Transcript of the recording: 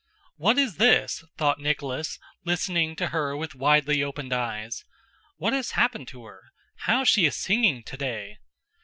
"What is this?" thought Nicholas, listening to her with widely opened eyes. "What has happened to her? How she is singing today!"